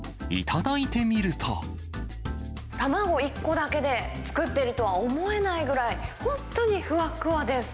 卵１個だけで作っているとは思えないぐらい、本当にふわふわです。